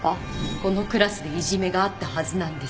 このクラスでいじめがあったはずなんです